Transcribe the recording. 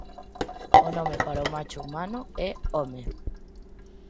O nome para o macho humano é home.